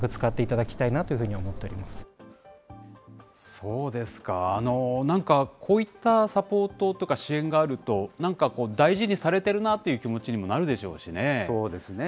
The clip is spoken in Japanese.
そうですか、なんか、こういったサポートとか支援があると、なんか大事にされてるなとそうですね。